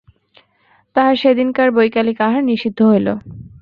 তাহার সেদিনকার বৈকালিক আহার নিষিদ্ধ হইল।